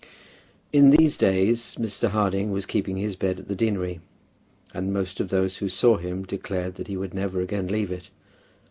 In these days Mr. Harding was keeping his bed at the deanery, and most of those who saw him declared that he would never again leave it.